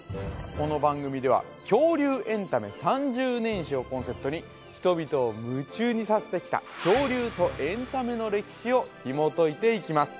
この番組では恐竜エンタメ３０年史をコンセプトに人々を夢中にさせてきた恐竜とエンタメの歴史をひもといていきます